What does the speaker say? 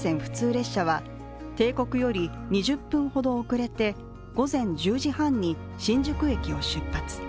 列車は定刻より２０分ほど遅れて午前１０時半に新宿駅を出発。